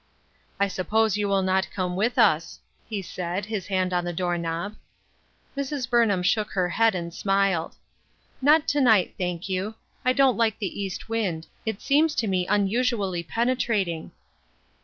" I suppose you will not come with us," he said, his hand on the door knob. Mrs. Burnham shook her head and smiled. " Not to night, thank you ; I don't like the east wind ; it seems to me unusually penetrating."